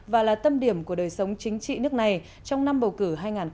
và là tâm điểm của đời sống chính trị nước này trong năm bầu cử hai nghìn hai mươi năm